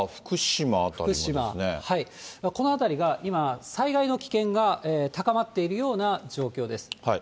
福島、この辺りが今、災害の危険が高まっているような状況です。